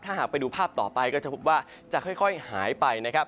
ถ้าหากไปดูภาพต่อไปก็จะพบว่าจะค่อยหายไปนะครับ